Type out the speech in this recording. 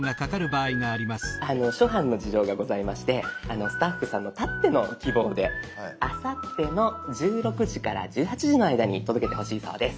あの諸般の事情がございましてスタッフさんのたっての希望であさっての１６時から１８時の間に届けてほしいそうです。